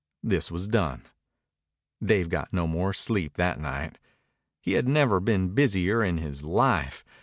This was done. Dave got no more sleep that night. He had never been busier in his life.